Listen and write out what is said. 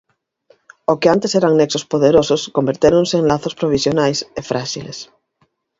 O que antes eran nexos poderosos convertéronse en lazos provisionais e fráxiles.